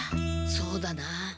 そうだな。